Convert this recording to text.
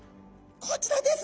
こちらです！